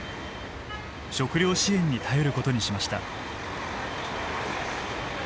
食料支援に頼ることにしました。